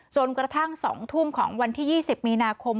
จนกระทั่ง๒ทุ่มของวันที่๒๐มีนาคม